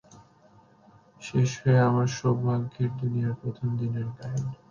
সে আমার সৌভাগ্যের দুনিয়ার প্রথম দিনের গাইড।